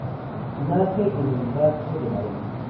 Nace en el Rastro de Madrid.